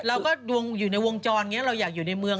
เราก็ดวงอยู่ในวงจรเนี้ยเราอยากอยู่ในเมือง